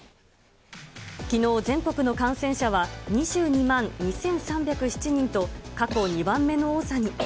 きのう、全国の感染者は２２万２３０７人と過去２番目の多さに。